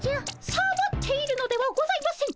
サボっているのではございません。